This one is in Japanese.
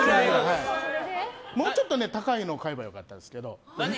もうちょっと高いのを買えば良かったですけど。